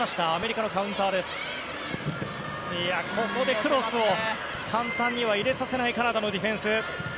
クロスを簡単には入れさせないカナダのディフェンス。